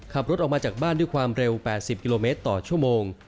ขับรถออกมาจากบ้านด้วยความเร็ว๘๐กิโลเมตรต่อชั่วโมง